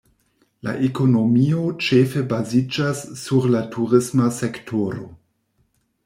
La ekonomio ĉefe baziĝas sur la turisma sektoro.